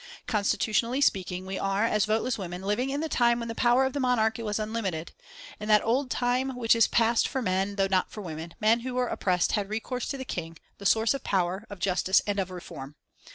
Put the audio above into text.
"Constitutionally speaking, we are, as voteless women, living in the time when the power of the Monarch was unlimited. In that old time, which is passed for men though not for women, men who were oppressed had recourse to the King the source of power, of justice, and of reform.